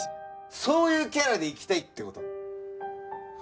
そういうキャラでいきたいって事？